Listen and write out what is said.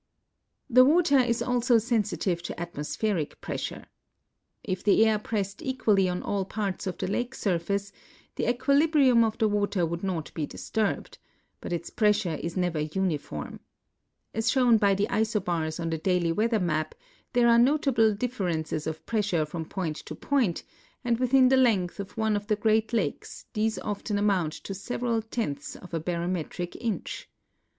The water is also sensitive to atmospheric pressure. If the air prest equally on all parts of the lake surface the equilibrium of the water would not be disturbed ; but its pressure is never uniform. As shown by the isobars on the daily weather map, there are notable differences of pressure from point to point, and within the length of one of the Great Lakes these often amount to several tenths of a barometric inch.